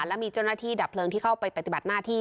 และมีเจ้าหน้าที่ดับเพลิงที่เข้าไปปฏิบัติหน้าที่